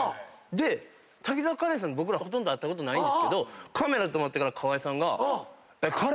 僕らほとんど会ったことないんですけどカメラ止まってから河井さんが。